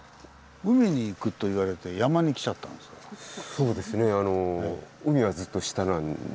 そうですね